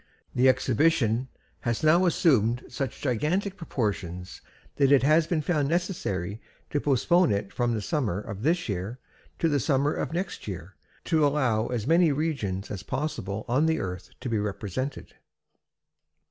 The exhibition has now assumed such gigantic proportions that it has been found necessary to postpone it from the summer of this year to the summer of next year to allow as many regions as possible on the earth to be represented.